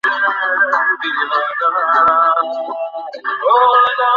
একটি নতুনের শেষ, মাইক।